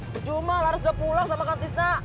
bercuma laras udah pulang sama kak tisna